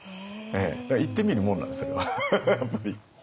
だから言ってみるもんなんですそれは。